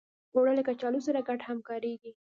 اوړه له کچالو سره ګډ هم کارېږي